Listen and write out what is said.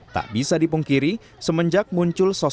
tak bisa dipungkiri semenjak muncul sosok